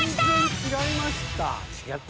全然違いました。